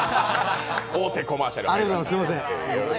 大手コマーシャル。